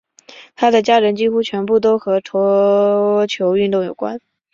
她的家人几乎全部都和桌球运动有关。